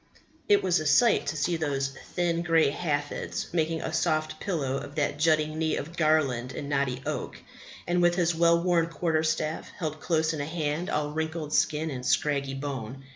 It was a sight to see those thin grey haffets making a soft pillow of that jutting knee of gnarled and knotty oak, and with his well worn quarterstaff held close in a hand all wrinkled skin and scraggy bone.